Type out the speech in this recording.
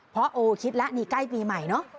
เพราะโอ้คิดแล้วนี่ใกล้ปีใหม่เนอะ